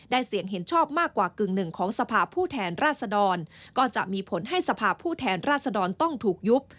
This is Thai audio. เสียงเห็นชอบมากกว่ากึ่งหนึ่งของสภาพผู้แทนราชดรก็จะมีผลให้สภาพผู้แทนราชดรต้องถูกยุบ